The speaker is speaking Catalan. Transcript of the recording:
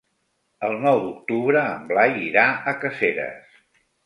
El nou d'octubre en Blai irà a Caseres.